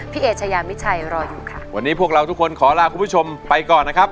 เอเชยามิชัยรออยู่ค่ะวันนี้พวกเราทุกคนขอลาคุณผู้ชมไปก่อนนะครับ